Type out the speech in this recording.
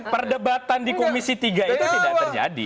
perdebatan di komisi tiga itu tidak terjadi